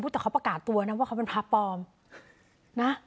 แต่เขาประกาศตัวนะว่าเขาเป็นพระปลอมนะ